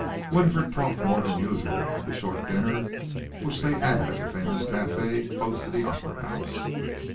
"]Winifred talked more than usual at the short dinner which they had at a famous café close to the Opera House.